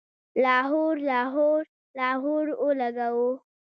لاهور، لاهور، لاهور اولګوو